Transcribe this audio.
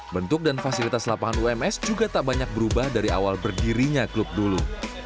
bentuk dan fasilitas lapangan ums juga tak banyak berubah dari awal berdirinya klub dulu